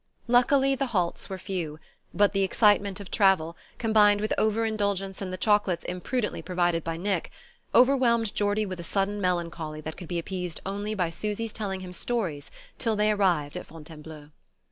Luckily the halts were few; but the excitement of travel, combined with over indulgence in the chocolates imprudently provided by Nick, overwhelmed Geordie with a sudden melancholy that could be appeased only by Susy's telling him stories till they arrived at Fontainebleau.